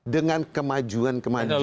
dengan kemajuan kemajuan ini